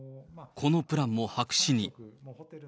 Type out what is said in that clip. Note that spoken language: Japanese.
このプランも白紙に。